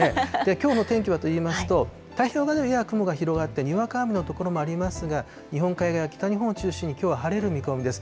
きょうの天気はといいますと、太平洋側ではやや雲が広がって、にわか雨の所もありますが、日本海側や北日本を中心にきょうは晴れる見込みです。